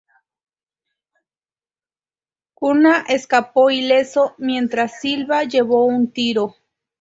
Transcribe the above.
Cunha escapó ileso, mientras Silva llevó un tiro.